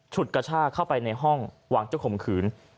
ฉุดกระชากเข้าไปในห้องหวังจะข่มขืน